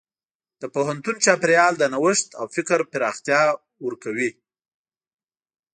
د پوهنتون چاپېریال د نوښت او فکر پراختیا ورکوي.